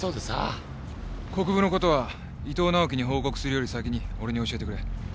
国府のことは伊藤直季に報告するより先に俺に教えてくれ。